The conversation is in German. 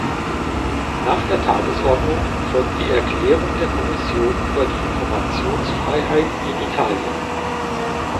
Nach der Tagesordnung folgt die Erklärung der Kommission über die Informationsfreiheit in Italien.